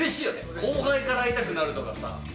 後輩から会いたくなるとかさ。